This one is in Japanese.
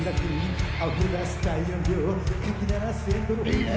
いいね。